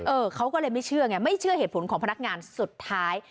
เออเขาก็เลยไม่เชื่อไงไม่เชื่อเหตุผลของพนักงานสุดท้าย